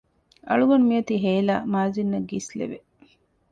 އަޅުގަނޑު މިއޮތީ ހޭލާ މާޒިން އަށް ގިސްލެވެ